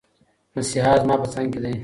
مسیحا زما په څنګ کې دی.